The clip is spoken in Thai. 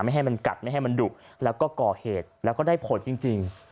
ให้มันกัดไม่ให้มันดุแล้วก็ก่อเหตุแล้วก็ได้ผลจริง